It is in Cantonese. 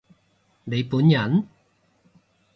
你本人？